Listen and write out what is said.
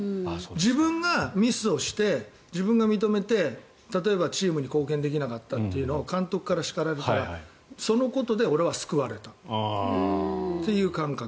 自分がミスをして、自分が認めて例えばチームに貢献できなかったというのを監督から叱られたらそのことで俺は救われたという感覚。